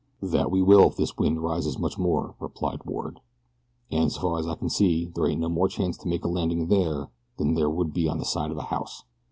"That we will if this wind rises much more," replied Ward; "and's far as I can see there ain't no more chance to make a landing there than there would be on the side of a house."